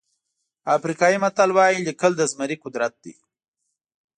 افریقایي متل وایي لیکل د زمري قدرت دی.